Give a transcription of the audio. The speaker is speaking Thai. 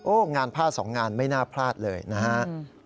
งานผ้าสองงานไม่น่าพลาดเลยนะฮะ